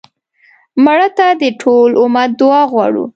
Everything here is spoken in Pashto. مړه ته د ټول امت دعا غواړو